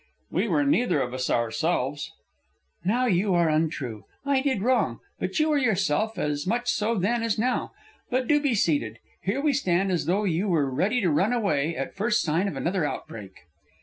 "We were neither of us ourselves." "Now you are untrue. I did wrong, but you were yourself, as much so then as now. But do be seated. Here we stand as though you were ready to run away at first sign of another outbreak."